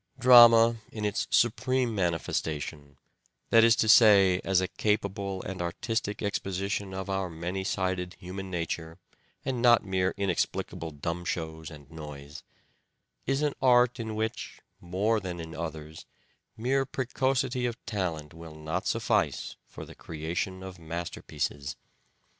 Drama, in its supreme manifestation, that is to say as a capable and artistic expcsition of our many sided human nature and not mere " inexplicable ioo " SHAKESPEARE " IDENTIFIED dumb shows and noise," is an art in which, more than in others, mere precocity of talent will not suffice for the creation of masterpieces.